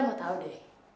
cinta mau tau deh